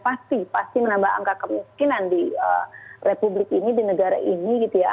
pasti pasti menambah angka kemiskinan di republik ini di negara ini gitu ya